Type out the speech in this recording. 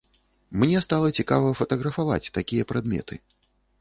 Мне стала цікава фатаграфаваць такія прадметы.